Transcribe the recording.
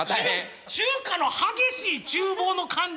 中華の激しいちゅう房の感じ？